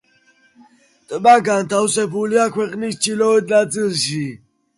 ტბა განთავსებულია ქვეყნის ჩრდილოეთ ნაწილში.